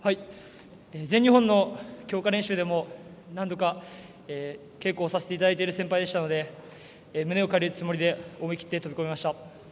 全日本の強化練習でも何度か稽古をさせていただいている先輩でしたので胸を借りるつもりで思い切って飛び込みました。